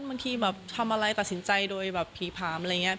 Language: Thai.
บางทีแบบทำอะไรตัดสินใจโดยแบบผีผามอะไรอย่างนี้